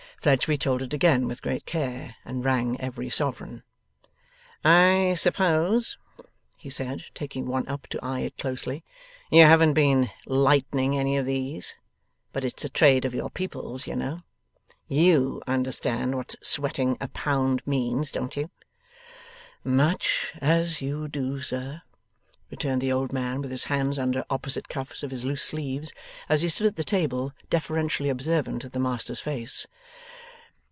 Fledgeby told it again with great care, and rang every sovereign. 'I suppose,' he said, taking one up to eye it closely, 'you haven't been lightening any of these; but it's a trade of your people's, you know. YOU understand what sweating a pound means, don't you?' 'Much as you do, sir,' returned the old man, with his hands under opposite cuffs of his loose sleeves, as he stood at the table, deferentially observant of the master's face.